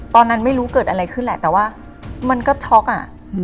ตอนนั้นไม่รู้เกิดอะไรขึ้นแหละแต่ว่ามันก็ช็อกอ่ะ